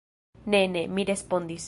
Ne, ne, mi respondis.